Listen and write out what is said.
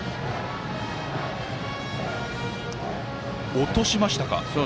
落としましたか。